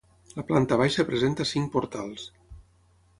La planta baixa presenta cinc portals.